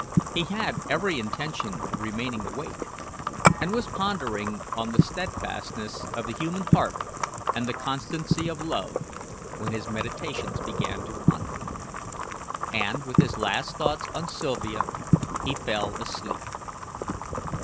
He had every intention of remaining awake, and was pondering on the steadfastness of the human heart and the constancy of love, when his meditations began to wander, and, with his last thoughts on Sylvia, he fell asleep.